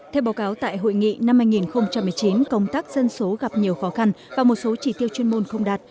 theo báo cáo tại hội nghị năm hai nghìn một mươi chín công tác dân số gặp nhiều khó khăn và một số chỉ tiêu chuyên môn không đạt